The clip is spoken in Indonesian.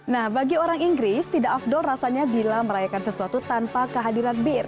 nah bagi orang inggris tidak afdol rasanya bila merayakan sesuatu tanpa kehadiran bir